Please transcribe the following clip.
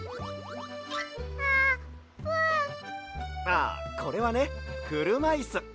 ああこれはねくるまいす。